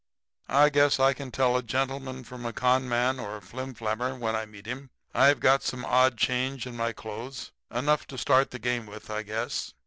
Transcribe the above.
I guess I can tell a gentleman from a con man or a flimflammer when I meet him. I've got some odd change in my clothes enough to start the game with, I guess.'